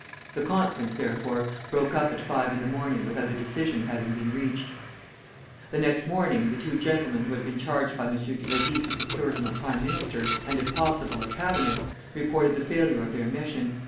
The conference, therefore, broke up at five in the morning without a decision having been reached. The next morning the two gentlemen who had been charged by M. Grévy to procure him a prime minister, and if possible a cabinet, reported the failure of their mission.